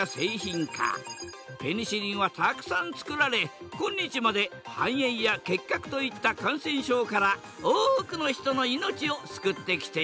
ペニシリンはたくさんつくられ今日まで肺炎や結核といった感染症から多くの人の命を救ってきている。